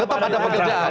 tetap ada pekerjaan